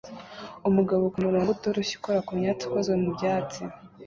Umugabo kumurongo utoroshye ukora kumyatsi ikozwe mubyatsi